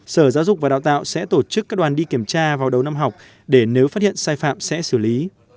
sở giáo dục và đào tạo sẽ tổ chức các đoàn đi kiểm tra vào đầu năm học để nếu phát hiện sai phạm sẽ xử lý